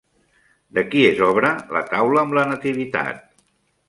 De qui és obra la taula amb la Nativitat?